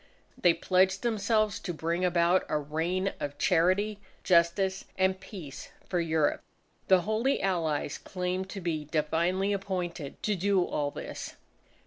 They pledged themselves to bring about a reign of charity, justice, and peace for Europe. The Holy Allies claimed to be divinely appointed to do all this.